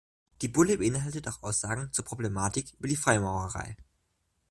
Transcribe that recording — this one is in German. Die Bulle beinhaltet auch Aussagen zur Problematik über die Freimaurerei.